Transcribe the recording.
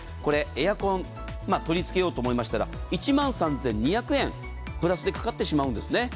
エアコン取り付けようと思ったら１万３２００円プラスでかかってしまうんです。